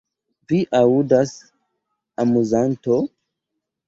Vi aŭdas, amuzanto?